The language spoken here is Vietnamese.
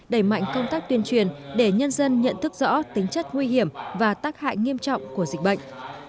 đẩy mạnh công tác tuyên truyền để nhân dân nhận thức rõ tính chất nguy hiểm và tác hại nghiêm trọng của dịch bệnh